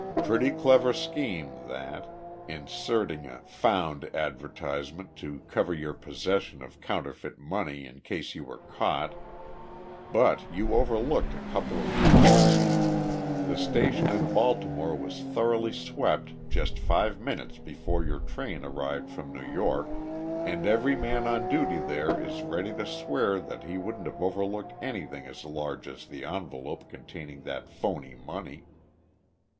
Pretty clever scheme, that. Inserting a 'found advertisement' to cover your possession of counterfeit money in case you were caught. But you overlooked a couple of points. The station in Baltimore was thoroughly swept just five minutes before your train arrived from New York and every man on duty there is ready to swear that he wouldn't have overlooked anything as large as the envelope containing that phony money.